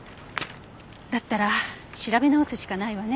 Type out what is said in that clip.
だったら調べ直すしかないわね。